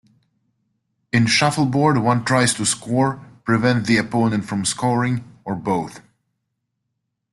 In shuffleboard, one tries to score, prevent the opponent from scoring, or both.